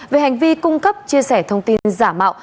về hành vi cung cấp chia sẻ thông tin giả mạo